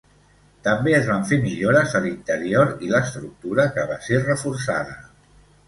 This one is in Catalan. També es van fer millores a l'interior i l'estructura que va ser reforçada.